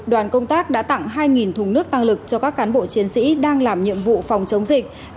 đoàn công tác đã tặng hai thùng nước tăng lực cho các cán bộ chiến sĩ đang làm nhiệm vụ phòng chống dịch